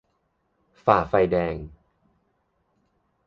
- ฝ่าไฟแดง